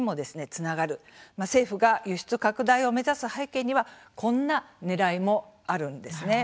政府が輸出拡大を目指す背景にはこんなねらいもあるんですね。